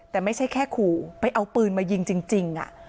แต่ไม่ใช่แค่ขู่ไปเอาปืนมายิงจริง